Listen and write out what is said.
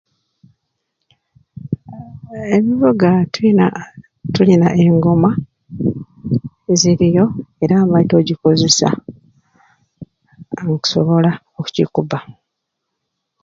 Ebivuga tuyina tulina engoma ziriyo era maite ogikozesa aa nkusobola okugikubba.